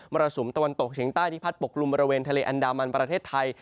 รสุมตะวันตกเฉียงใต้ที่พัดปกลุ่มบริเวณทะเลอันดามันประเทศไทย